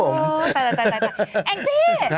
โอ้วใจ